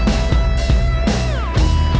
masih lu nunggu